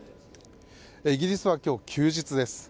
イギリスは今日、休日です。